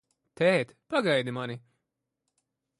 Tēt, pagaidi mani!